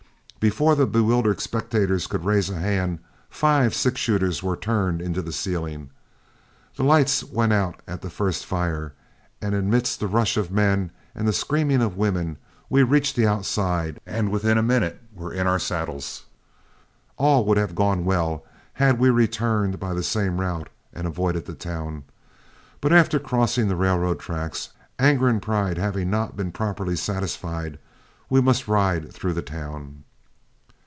Before the bewildered spectators could raise a hand, five six shooters were turned into the ceiling. The lights went out at the first fire, and amidst the rush of men and the screaming of women, we reached the outside, and within a minute were in our saddles. All would have gone well had we returned by the same route and avoided the town; but after crossing the railroad track, anger and pride having not been properly satisfied, we must ride through the town.